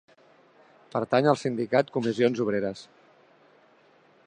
Pertany al sindicat Comissions Obreres.